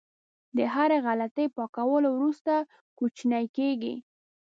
د هرې غلطۍ پاکولو وروسته کوچنی کېږي.